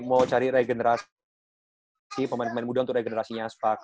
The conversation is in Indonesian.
mau cari regenerasi pemain pemain muda untuk regenerasinya sepak